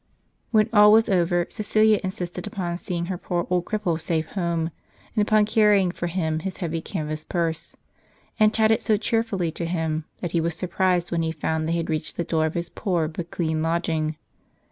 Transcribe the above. When all was over, Cjecilia insisted uj)on seeing her poor old cripple safe home, and upon carrying for him his heavy canvas purse ; and chatted so cheerfully to him that he was surprised when he found they had reached the door of his poor but clean lodging.